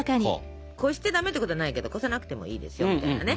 こしてダメってことはないけどこさなくてもいいですよみたいなね。